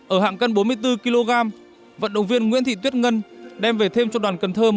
ở hạng cân bốn mươi bốn kg vận động viên nguyễn thị tuyết ngân đem về thêm cho đoàn cần thơ